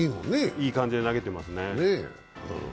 いい感じで投げてますね。